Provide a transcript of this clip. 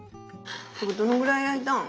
これどのぐらい焼いたん？